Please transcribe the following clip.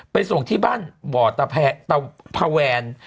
ไปส่งที่บ้านบ่อตาแพะตาพาแวน